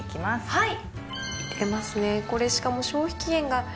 はい。